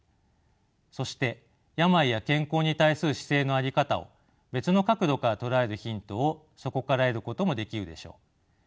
そして病や健康に対する姿勢の在り方を別の角度から捉えるヒントをそこから得ることもできるでしょう。